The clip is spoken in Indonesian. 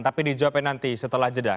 tapi di jawabin nanti setelah jeda